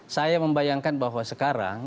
saya membayangkan bahwa sekarang